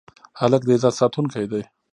هلک د عزت ساتونکی دی.